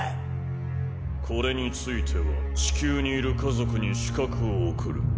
これについては地球にいる家族に刺客を送る。